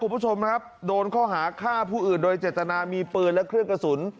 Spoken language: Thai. คุณผู้ชมครับโดนข้อหาฆ่าผู้อื่นโดยเจตนามีปืนและเครื่องกระสุน